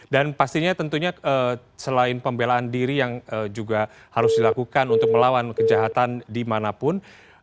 dan pastinya tentunya selain pembelaan diri yang juga harus dilakukan untuk melawan kejahatan di manapun